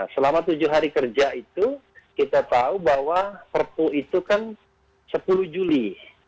selama tujuh hari kerja itu kita tahu bahwa perpu itu kan sepuluh juli